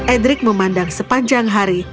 edric memandang sepanjang hari